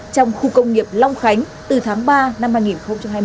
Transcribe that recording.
trong khu công nghiệp long khánh từ tháng ba năm hai nghìn hai mươi